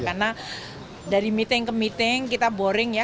karena dari meeting ke meeting kita boring ya